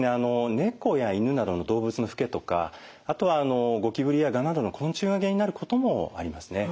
ネコやイヌなどの動物のフケとかあとはゴキブリやガなどの昆虫が原因になることもありますね。